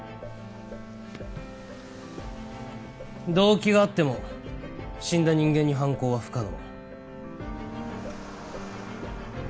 動機があっても死んだ人間に犯行は不可能。